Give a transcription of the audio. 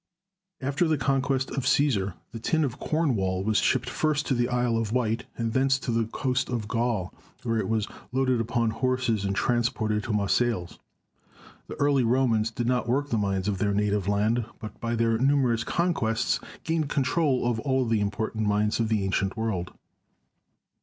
After the conquest of Csesar the tin of Cornwall was shipped first to the Isle of Wight, and thence to the coast of Gaul, where it was loaded upon horses and transported 278 MINING AND METALLURGY 279 to Marseilles, The early Romans did not work the mines of their native land, but by their numerous conquests gained control of all the important mines of the ancient world.